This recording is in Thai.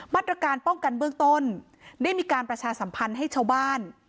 มาตรการป้องกันเบื้องต้นได้มีการประชาสัมพันธ์ให้ชาวบ้าน